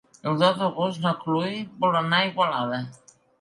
El deu d'agost na Cloè vol anar a Igualada.